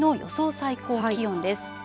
最高気温です。